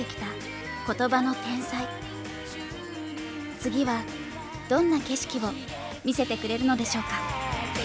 次はどんな景色を見せてくれるのでしょうか？